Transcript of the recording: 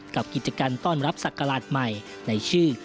กับกิจกรรมต้อนรับศักราชใหม่ในชื่อ